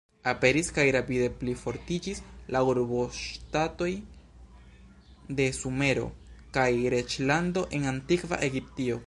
Aperis kaj rapide plifortiĝis la urboŝtatoj de Sumero kaj reĝlando en Antikva Egiptio.